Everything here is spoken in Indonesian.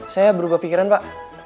saya berubah pikiran pak